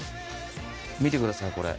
見てくださいこれ。